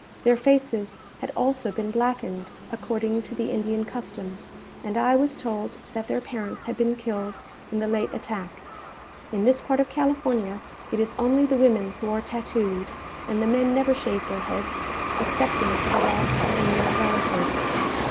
Their faces had also been blackened, according to the Indian custom, and I was told that their parents had been killed in the late attack. In this part of California it is only the women who are tattooed, and the men never shave their heads, excepting for the loss of a near relative.